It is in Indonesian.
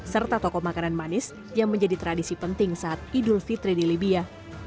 serta toko makanan manis yang menjadi tradisi penting saat idul fitri di libya